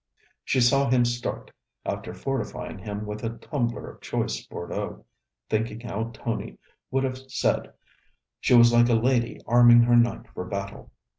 She saw him start, after fortifying him with a tumbler of choice Bordeaux, thinking how Tony would have said she was like a lady arming her knight for battle.